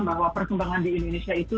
bahwa perkembangan di indonesia itu